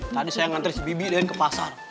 tadi saya ngantri si bibi den ke pasar